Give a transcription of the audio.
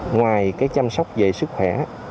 ngoài chăm sóc về sức khỏe